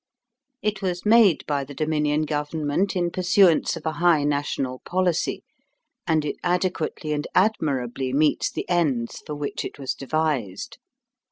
It was made by the Dominion Government in pursuance of a high national policy, and it adequately and admirably meets the ends for which it was devised.